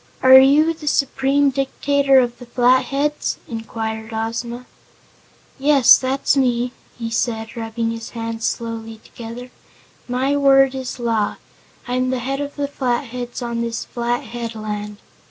"Are you the Supreme Dictator of the Flatheads?" inquired Ozma. "Yes, that's me," he said, rubbing his hands slowly together. "My word is law. I'm the head of the Flatheads on this flat headland."